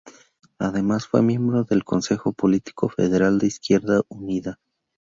Además, fue miembro del Consejo Político Federal de Izquierda Unida.